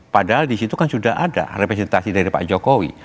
padahal di situ kan sudah ada representasi dari pak jokowi